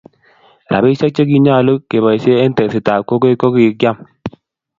Rabisiek che kinyalo kebaisye eng tekset ab kokwet kokikiam